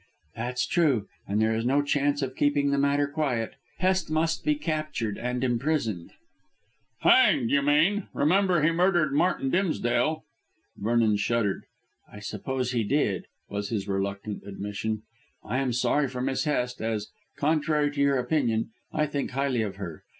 "That's true, and there is no chance of keeping the matter quiet. Hest must be captured and imprisoned." "Hanged, you mean. Remember, he murdered Martin Dimsdale." Vernon shuddered. "I suppose he did," was his reluctant admission. "I am sorry for Miss Hest, as, contrary to your opinion, I think highly of her.